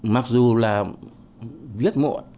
mặc dù là viết muộn